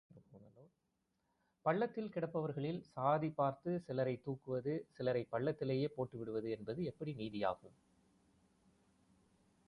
பள்ளத்தில் கிடப்பவர்களில் சாதி பார்த்துச் சிலரைத் தூக்குவது, சிலரைப் பள்ளத்திலேயே போட்டு விடுவது என்பது எப்படி நீதியாகும்?